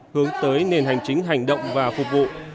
hướng tới nền hành chính hành động và phục vụ